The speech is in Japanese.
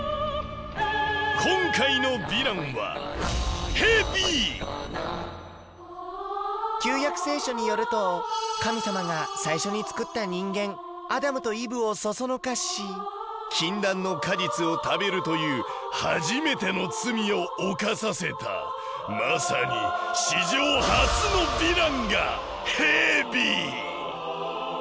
今回のヴィランは旧約聖書によると神様が最初につくった人間アダムとイブをそそのかし禁断の果実を食べるという初めての罪を犯させたまさに史上初のヴィランがヘビ！